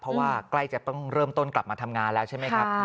เพราะว่าใกล้จะต้องเริ่มต้นกลับมาทำงานแล้วใช่ไหมครับ